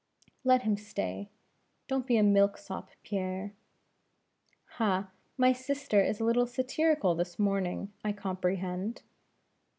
"Let him stay. Don't be a milk sop, Pierre!" "Ha! my sister is a little satirical this morning. I comprehend."